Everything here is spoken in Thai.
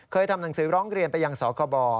ทำหนังสือร้องเรียนไปยังสคบ